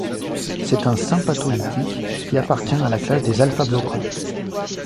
C'est un sympatholytique qui appartient à la classe des alpha-bloquants.